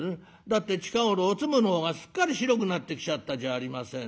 「だって近頃おつむの方がすっかり白くなってきちゃったじゃありませんの。